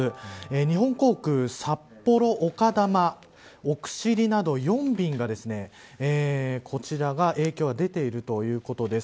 日本航空、札幌丘珠、奥尻など４便が、こちらが影響が出ているということです。